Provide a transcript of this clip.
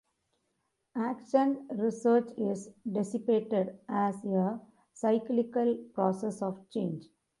Action research is depicted as a cyclical process of change.